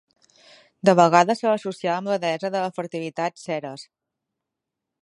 De vegades se l'associava amb la deessa de la fertilitat Ceres.